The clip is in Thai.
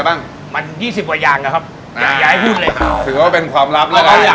อย่างพิเศษก็คือมีเนื้อแน่นอนครับ